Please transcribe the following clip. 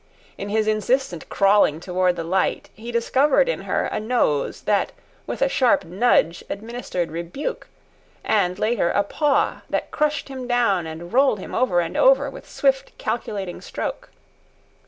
In his insistent crawling toward the light, he discovered in her a nose that with a sharp nudge administered rebuke, and later, a paw, that crushed him down and rolled him over and over with swift, calculating stroke.